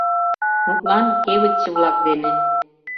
Мутлан, кевытче-влак дене.